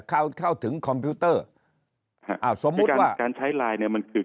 เข้าถึงคอมพิวเตอร์สมมุติว่าการใช้ไลน์เนี่ยมันคือ